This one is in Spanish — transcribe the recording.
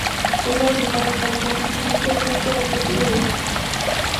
Ella ayudó a localizar fácilmente el búnker oculto del equipo.